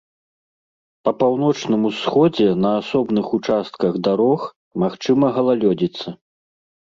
Па паўночным усходзе на асобных участках дарог магчыма галалёдзіца.